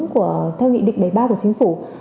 của theo nghị định bảy mươi ba của chính phủ